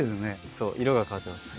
そう色が変わってます。